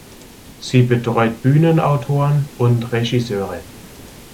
Sie betreut Bühnenautoren und Regisseure.